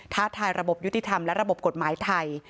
ท้าทายระบบยุติธรรมและระบบกฎหมายไทย